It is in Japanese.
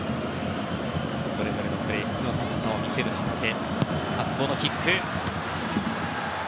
それぞれのプレーで質の高さを見せる旗手。